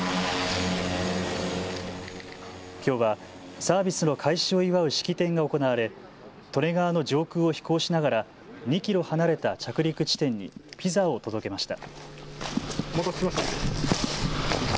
きょうはサービスの開始を祝う式典が行われ、利根川の上空を飛行しながら２キロ離れた着陸地点にピザを届けました。